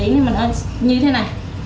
nếu mà nó như thế này